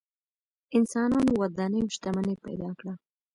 انسانانو ودانۍ او شتمنۍ پیدا کړه.